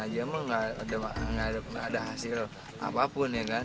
jalan jalan aja mah gak ada hasil apapun ya kan